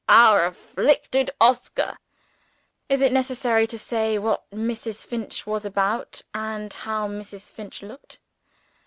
Our afflicted Oscar!" Is it necessary to say what Mrs. Finch was about, and how Mrs. Finch looked?